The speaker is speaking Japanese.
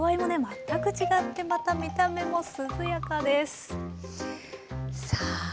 全く違ってまた見た目も涼やかです。さあ。